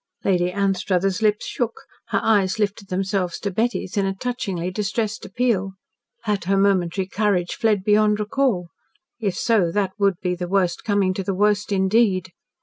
Lady Anstruthers' lips shook, her eyes lifted themselves to Betty's in a touchingly distressed appeal. Had her momentary courage fled beyond recall? If so, that would be the worst coming to the worst, indeed.